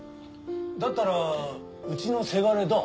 だったらうちのせがれどう？